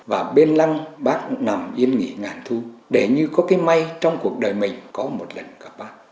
và bên lăng bác nằm yên nghỉ ngàn thu để như có cái may trong cuộc đời mình có một lần gặp bác